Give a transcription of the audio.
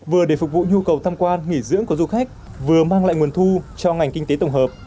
vừa để phục vụ nhu cầu tham quan nghỉ dưỡng của du khách vừa mang lại nguồn thu cho ngành kinh tế tổng hợp